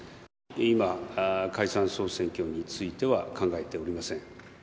今、解散・総選挙については考えておりません。